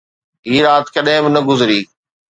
هي رات ڪڏهن به نه گذري